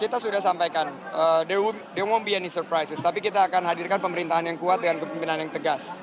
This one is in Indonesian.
kita sudah sampaikan there won't be any surprises tapi kita akan hadirkan pemerintahan yang kuat dan kepimpinan yang tegas